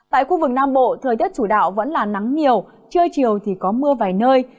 tại khu vực nam bộ thời tiết chủ đạo vẫn là nắng nhiều trưa chiều thì có mưa vài nơi